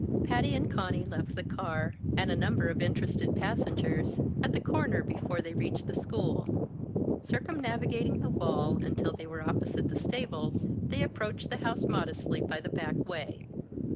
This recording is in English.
Patty and Conny left the car and a number of interested passengers at the corner before they reached the school. Circumnavigating the wall, until they were opposite the stables, they approached the house modestly by the back way.